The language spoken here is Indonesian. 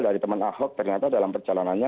dari teman ahok ternyata dalam perjalanannya